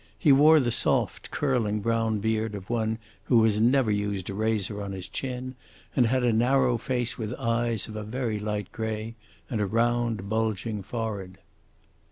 He wore the soft, curling brown beard of one who has never used a razor on his chin, and had a narrow face with eyes of a very light grey, and a round bulging forehead.